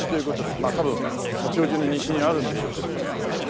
まあ多分八王子の西にあるんでしょうけどもね。